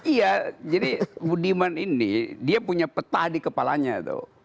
iya jadi budiman ini dia punya peta di kepalanya tuh